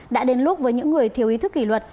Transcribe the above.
đã đến lúc với những người thiếu ý thức kỷ luật